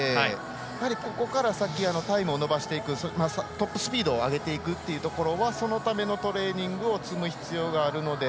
やはり、ここから先タイムを伸ばしていくトップスピードを上げていくというところはそのためのトレーニングを積む必要があるので。